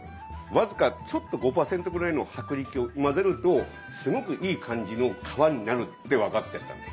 僅かちょっと５％ぐらいの薄力を混ぜるとすごくいい感じの皮になるって分かってったんです。